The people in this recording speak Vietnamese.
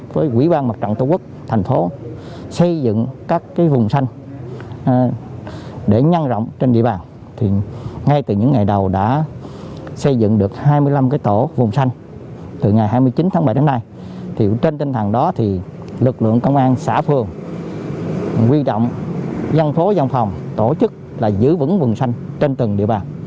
do đó lực lượng công an xã phường nguyên động dân phố dòng phòng tổ chức là giữ vững vùng xanh trên từng địa bàn